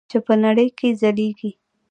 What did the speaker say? چې په نړۍ کې ځلیږي.